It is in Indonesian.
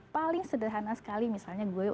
paling sederhana sekali misalnya gue